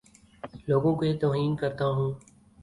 لوگوں کے توہین کرتا ہوں